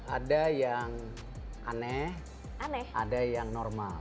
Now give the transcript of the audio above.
ada yang aneh ada yang normal